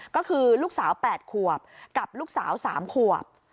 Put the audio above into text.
ก็คือลูกสาว๘ขวบกับลูกสาว๓ขวบ